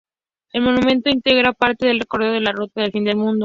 El monumento integra parte del recorrido de la Ruta del Fin del Mundo.